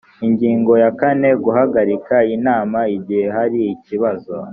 ingingo ya kane guhagarika inama igihe hari ikibazo